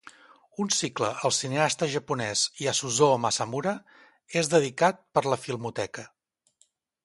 Un cicle al cineasta japonès Yasuzô Masumura és dedicat per la Filmoteca.